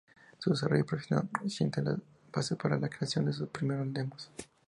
Su desarrollo profesional sienta las bases para la creación de sus primeros demos.